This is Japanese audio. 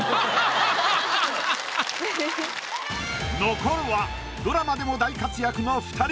残るはドラマでも大活躍の２人。